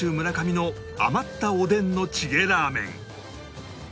村上の余ったおでんのチゲラーメン